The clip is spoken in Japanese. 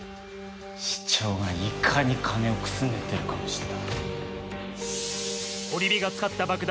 市長がいかに金をくすねてるかも知った。